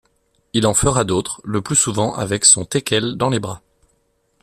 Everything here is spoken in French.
Il en fera d'autres, le plus souvent avec son teckel dans les bras.